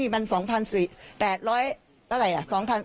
ของกลมป่าไม้ที่มัน๒๔๐๐๘๐๐